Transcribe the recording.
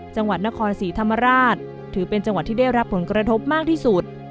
จังหวัดนครศรีธรรมราชถือเป็นจังหวัดที่ได้รับผลกระทบมากที่สุด